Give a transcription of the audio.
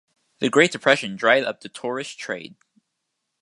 The Great Depression dried up the tourist trade.